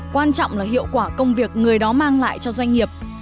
quan trọng là hiệu quả công việc người đó mang lại cho doanh nghiệp